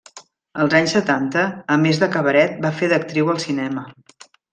Als anys setanta, a més de cabaret va fer d'actriu al cinema.